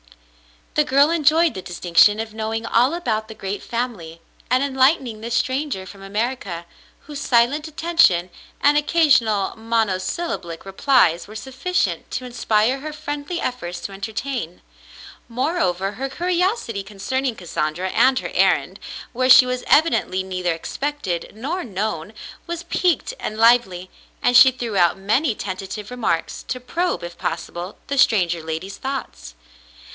The girl enjoyed the distinction of knowing all about the great family and enlightening this stranger from America, whose silent attention and occasional monosyllablic replies were sufficient to inspire her friendly efforts to entertain. Moreover, her curiosity concerning Cassandra and her errand, where she was evidently neither expected nor known, 280 The Mountain Girl was piqued and lively, and she threw out many tentative remarks to probe if possible the stranger lady's thoughts.